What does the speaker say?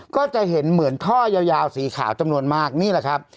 ก็จะเห็นเหมือนท่อยาวสีขาวจำนวนมากนี่แหละครับ